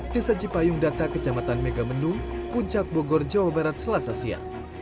desa cipayung data kecamatan megamendung puncak bogor jawa barat selasa siang